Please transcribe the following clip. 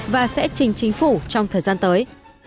và sẽ trình chính phủ trong thời gian tới